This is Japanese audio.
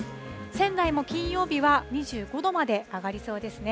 仙台も金曜日は２５度まで上がりそうですね。